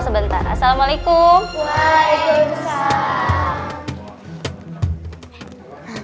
sebentar assalamualaikum waalaikumsalam